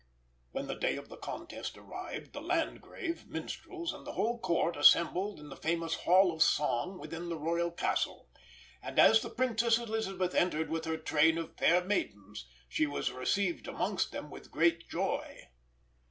When the day of the contest arrived, the Landgrave, minstrels, and the whole Court assembled in the famous Hall of Song within the royal castle; and as the Princess Elisabeth entered with her train of fair maidens, she was received amongst them with great joy.